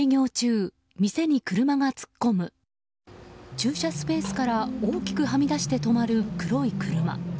駐車スペースから大きくはみ出して止まる黒い車。